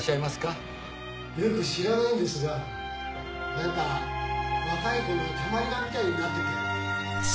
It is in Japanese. よく知らないんですがなんか若い子のたまり場みたいになってて。